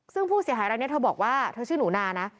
ซึ่งผู้เสียหายรายนี้เธอบอกว่าเธอชื่อหนูนานะ